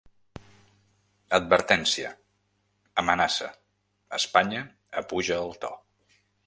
Advertència’, ‘amenaça’, ‘Espanya apuja el to’.